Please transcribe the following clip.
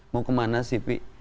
mau kemana sih pi